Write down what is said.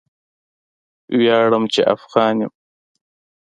ویاړم چې افغان یم